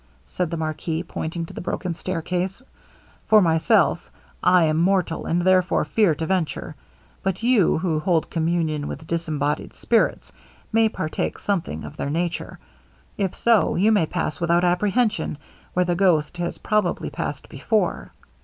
said the marquis, pointing to the broken stair case; 'for myself, I am mortal, and therefore fear to venture; but you, who hold communion with disembodied spirits, may partake something of their nature; if so, you may pass without apprehension where the ghost has probably passed before.'